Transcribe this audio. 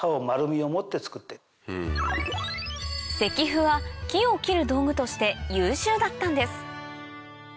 石斧は木を切る道具として優秀だったんです